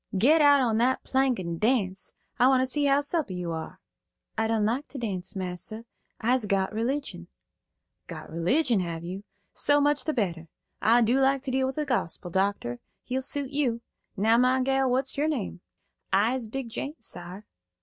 "Get out on that plank and dance. I want to see how supple you are." "I don't like to dance, massa; I'se got religion." "Got religion, have you? So much the better. I like to deal in the gospel, doctor. He'll suit you. Now, my gal, what's your name?" "I is Big Jane, sar."